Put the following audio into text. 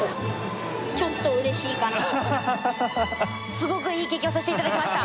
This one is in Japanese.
すごくいい経験をさせていただきました。